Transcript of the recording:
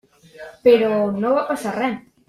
Però no va passar res.